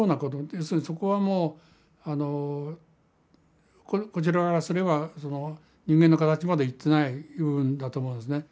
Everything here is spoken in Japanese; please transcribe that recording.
要するにそこはもうあのこちらからすればその人間の形までいってない部分だと思うんですね。